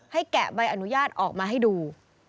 แกะใบอนุญาตออกมาให้ดู